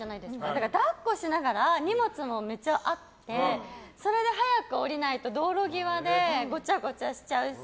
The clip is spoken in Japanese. だから抱っこしながら荷物もめっちゃあってそれで早く降りないと道路際でごちゃごちゃしちゃうし。